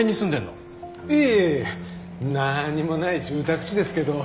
何にもない住宅地ですけど。